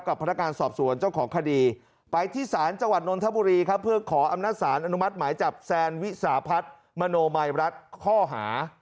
พนักงานสอบสวนเจ้าของคดีไปที่ศาลจังหวัดนนทบุรีครับเพื่อขออำนาจสารอนุมัติหมายจับแซนวิสาพัฒน์มโนมัยรัฐข้อหา